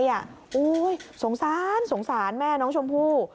โอ้โฮสงสารแม่น้องชมพู่